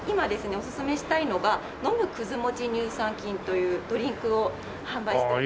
おすすめしたいのが飲むくず餅乳酸菌というドリンクを販売しておりまして。